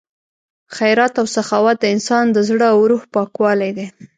خیرات او سخاوت د انسان د زړه او روح پاکوالی دی.